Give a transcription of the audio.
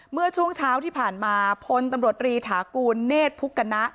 เมื่อช่วงเช้าที่ผ่านมาพลตำรวจรีถากูลเนธพุกณะ